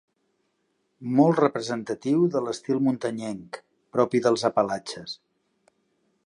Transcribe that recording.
Molt representatiu de l'estil muntanyenc, propi dels Apalatxes.